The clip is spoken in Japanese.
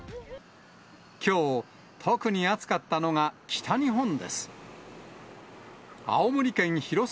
きょう、特に暑かったのが北日本です。